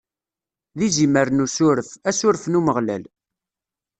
D izimer n usuref, asuref n Umeɣlal.